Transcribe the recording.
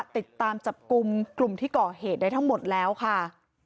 ติดตามจับกลุ่มกลุ่มที่ก่อเหตุได้ทั้งหมดแล้วค่ะ